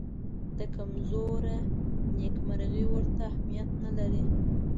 د کمزورو نېکمرغي ورته اهمیت نه لري.